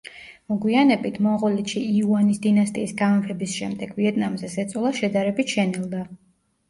მოგვიანებით, მონღოლეთში იუანის დინასტიის გამეფების შემდეგ ვიეტნამზე ზეწოლა შედარებით შენელდა.